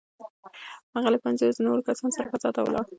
هغې له پنځو نورو کسانو سره فضا ته ولاړه.